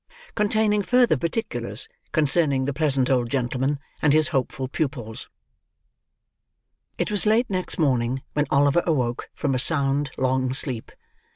CONTAINING FURTHER PARTICULARS CONCERNING THE PLEASANT OLD GENTLEMAN, AND HIS HOPEFUL PUPILS It was late next morning when Oliver awoke, from a sound, long sleep.